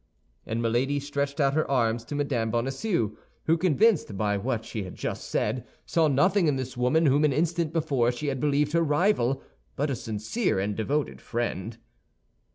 And Milady stretched out her arms to Mme. Bonacieux, who, convinced by what she had just said, saw nothing in this woman whom an instant before she had believed her rival but a sincere and devoted friend.